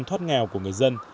thoát nghèo của người dân